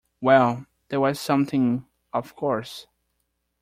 Well, that was something, of course.